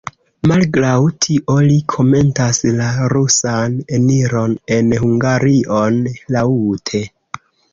Malgraŭ tio li komentas la rusan eniron en Hungarion laŭte.